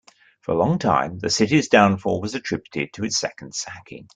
For a long time, the city's downfall was attributed to its second sacking.